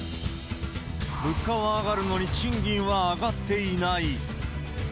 物価は上がるのに賃金は上がっていない。